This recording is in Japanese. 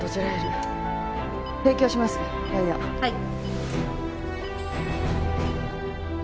はい。